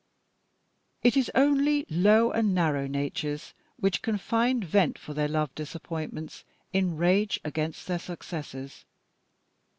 It is only low and narrow natures which can find vent for their love disappointments in rage against their successors.